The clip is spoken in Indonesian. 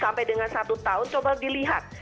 sampai dengan satu tahun coba dilihat